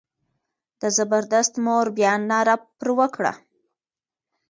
د زبردست مور بیا ناره پر وکړه.